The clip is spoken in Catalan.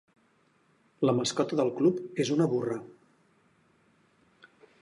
La mascota del club és una burra.